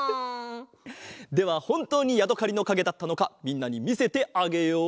ではほんとうにやどかりのかげだったのかみんなにみせてあげよう！